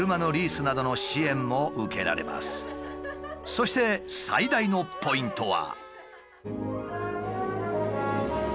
そして最大のポイントは。